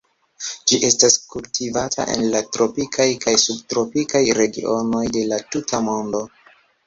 Ĝi estas kultivata en la tropikaj kaj subtropikaj regionoj de la tuta mondo.